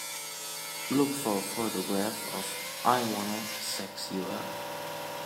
Look for a photograph of I Wanna Sex You Up